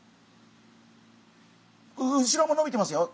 後ろものびてますよ